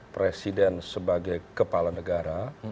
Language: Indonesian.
presiden sebagai kepala negara